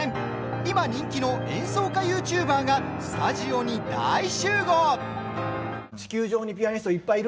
今、人気の演奏家ＹｏｕＴｕｂｅｒがスタジオに大集合。